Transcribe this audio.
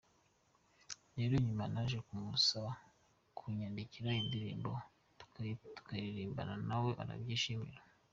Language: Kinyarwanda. Rero nyuma naje kumusaba kunyandikira indirimbo tukayiririmbana nawe arabyishimira.